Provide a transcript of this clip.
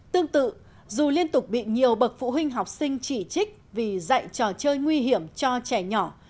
tương tự dù liên tục bị nhiều bậc phụ huynh học sinh chỉ trích vì dạy trò chơi nguy hiểm cho trẻ nhỏ